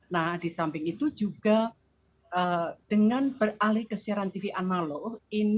nah di samping itu juga dengan beralih ke siaran tv analog